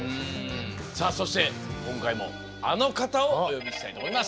さあそして今回もあの方をお呼びしたいと思います。